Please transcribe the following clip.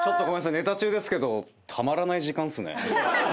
ネタ中ですけどたまらない時間っすね。